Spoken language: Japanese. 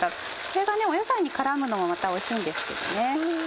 これが野菜に絡むのもまたおいしいんですけどね。